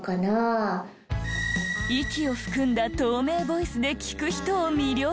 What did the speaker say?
息を含んだ透明ボイスで聞く人を魅了。